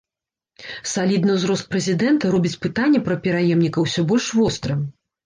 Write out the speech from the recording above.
Салідны ўзрост прэзідэнта робіць пытанне пра пераемніка ўсё больш вострым.